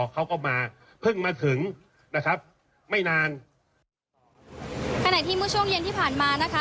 เขาก็มาเพิ่งมาถึงนะครับไม่นานขณะที่เมื่อช่วงเย็นที่ผ่านมานะคะ